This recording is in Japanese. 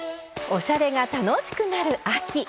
おしゃれが楽しくなる秋。